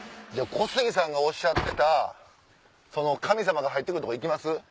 小杉さんがおっしゃってた神様が入って来るとこ行きます？